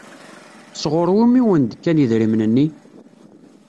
Sɣur wumi i wen-d-kan idrimen-nni?